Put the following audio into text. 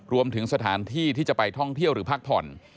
รวมถึงสถานที่ที่จะไปท่องเที่ยวหรือพักผ่อน